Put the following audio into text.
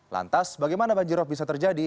lantas bagaimana banjirop bisa terjadi